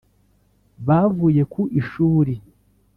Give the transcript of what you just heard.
bavuye ku ishuri (